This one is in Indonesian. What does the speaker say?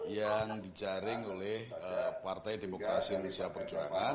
yang di jaring oleh partai demokrasi indonesia perjuangan